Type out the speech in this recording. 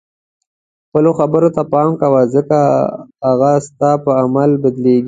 خپلو خبرو ته پام کوه ځکه هغوی ستا په عمل بدلیږي.